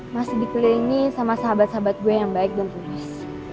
masih dikelilingi sama sahabat sahabat gue yang baik dan tulus